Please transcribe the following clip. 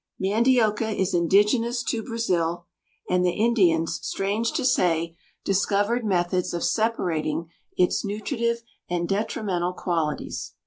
Mandioca is indigenous to Brazil, and the Indians, strange to say, discovered methods of separating its nutritive and detrimental qualities.